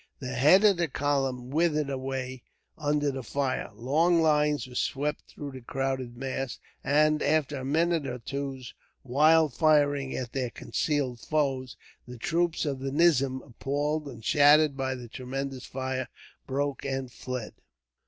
The head of the column withered away under the fire, long lines were swept through the crowded mass; and, after a minute or two's wild firing at their concealed foes, the troops of the nizam, appalled and shattered by the tremendous fire, broke and fled.